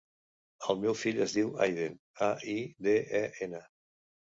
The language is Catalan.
El meu fill es diu Aiden: a, i, de, e, ena.